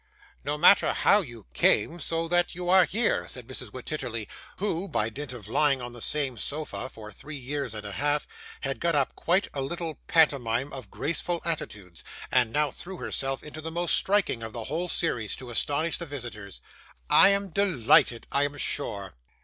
'No matter how you came, so that you are here,' said Mrs. Wititterly, who, by dint of lying on the same sofa for three years and a half, had got up quite a little pantomime of graceful attitudes, and now threw herself into the most striking of the whole series, to astonish the visitors. 'I am delighted, I am sure.